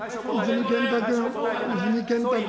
泉健太君。